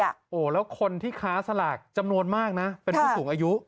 โอ้โหแล้วคนที่ค้าสลากจำนวนมากนะเป็นผู้สูงอายุ